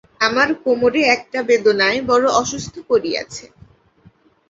আমার কোমরে একটা বেদনায় বড় অসুস্থ করিয়াছে।